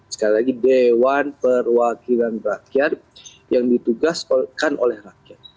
sekali lagi dewan perwakilan rakyat yang ditugaskan oleh rakyat